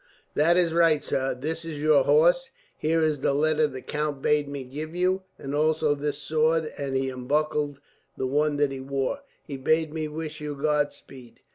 "That is right, sir. This is your horse. Here is the letter the count bade me give you, and also this sword," and he unbuckled the one that he wore. "He bade me wish you God speed."